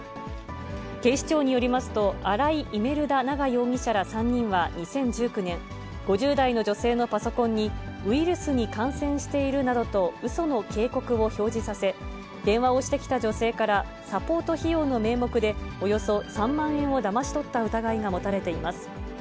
警視庁によりますと、アライ・イメルダ・ナガ容疑者ら３人は、２０１９年、５０代の女性のパソコンにウイルスに感染しているなどとうその警告を表示させ、電話をしてきた女性から、サポート費用の名目で、およそ３万円をだまし取った疑いが持たれています。